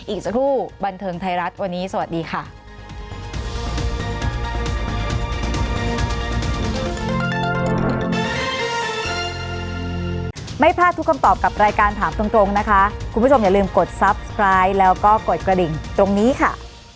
อีกสักครู่บันเทิงไทยรัฐวันนี้สวัสดีค่ะ